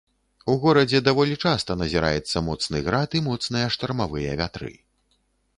У горадзе даволі часта назіраецца моцны град і моцныя штармавыя вятры.